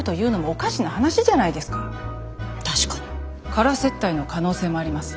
空接待の可能性もあります。